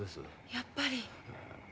やっぱり。